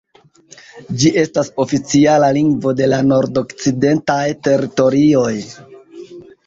Ĝi estas oficiala lingvo de la Nordokcidentaj Teritorioj.